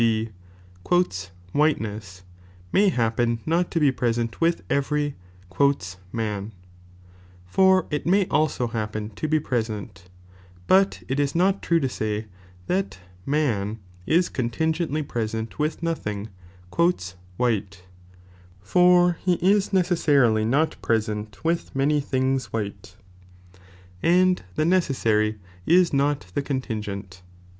g. " whiteness " may happen not tu be presait with every "man," (for it may also happen) to be present ; but it is not true to say, that man is contingaitlff present with nothing " white," for he is necessarily not pre ■ent with many things (white), and the necessary is not the contingent.